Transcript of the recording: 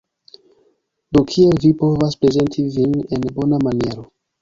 Do kiel vi povas prezenti vin en bona maniero